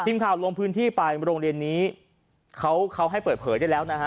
ทีมข่าวลงพื้นที่ไปโรงเรียนนี้เขาเขาให้เปิดเผยได้แล้วนะฮะ